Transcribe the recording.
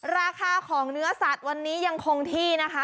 ราคาของเนื้อสัตว์วันนี้ยังคงที่นะคะ